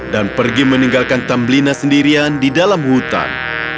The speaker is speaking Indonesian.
dan pergi meninggalkan tambelina sendirian di dalam hutan